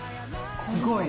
すごい！